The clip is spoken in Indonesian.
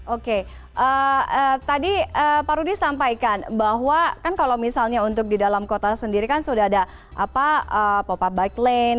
oke tadi pak rudi sampaikan bahwa kan kalau misalnya untuk di dalam kota sendiri kan sudah ada pop up bike lane